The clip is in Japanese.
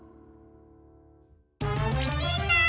みんな！